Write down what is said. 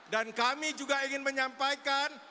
dan kami juga ingin menyampaikan